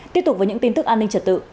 tiếp tục với những tin tức an ninh trật tự